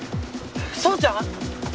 蒼ちゃん！？